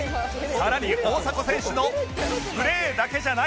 さらに大迫選手のプレーだけじゃない！